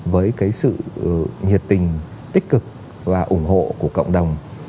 với cái sự nhiệt tình tích cực và ủng hộ của cộng đồng